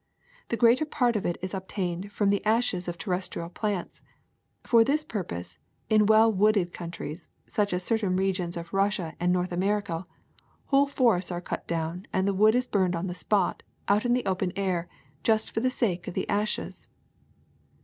The greater part of it is obtained from the ashes of terrestrial plants. For this purpose in well wooded countries such as certain regions of Russia and North America, whole forests are cut down and the wood is burned on the spot, out in the open air, just for the sake of the ashes.''